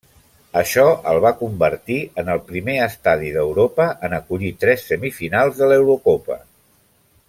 Això el va convertir en el primer estadi d'Europa en acollir tres semifinals de l'Eurocopa.